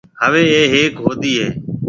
هاوَي اَي هيڪ هودَي هيَ۔